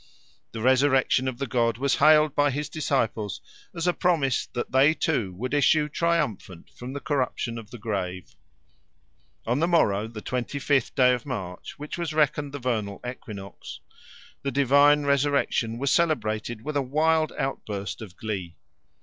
The resurrection of the god was hailed by his disciples as a promise that they too would issue triumphant from the corruption of the grave. On the morrow, the twenty fifth day of March, which was reckoned the vernal equinox, the divine resurrection was celebrated with a wild outburst of glee.